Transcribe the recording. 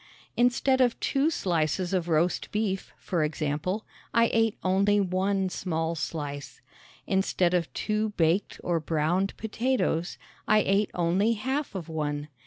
Instead of two slices of roast beef, for example, I ate only one small slice. Instead of two baked or browned potatoes, I ate only half of one.